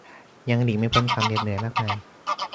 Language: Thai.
ยังหลีกไม่พ้นความเหน็ดเหนื่อยมากมาย